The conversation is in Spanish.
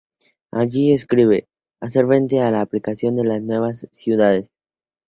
Allí escribe: "...hacer frente a la planificación de las nuevas ciudades.